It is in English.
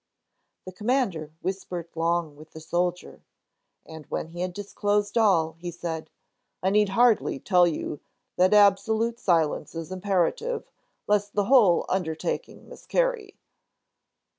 The Commander whispered long with the soldier, and when he had disclosed all, he said: "I need hardly tell you that absolute silence is imperative, lest the whole undertaking miscarry."